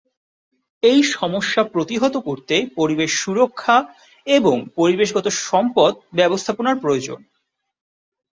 এই সমস্যা প্রতিহত করতে পরিবেশ সুরক্ষা এবং পরিবেশগত সম্পদ ব্যবস্থাপনার প্রয়োজন।